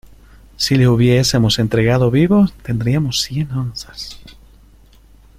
si le hubiésemos entregado vivo, tendríamos cien onzas.